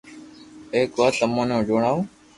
ايڪ وات تمون ني ڄڻاوو